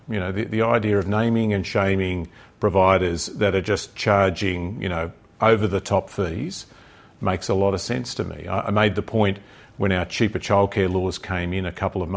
jika kita menolakkan harga secara berbanding dengan apa yang terjadi di ekonomi